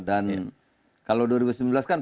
dan kalau dua ribu sembilan belas kan